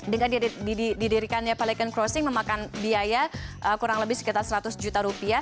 dengan didirikannya pelikon crossing memakan biaya kurang lebih sekitar seratus juta rupiah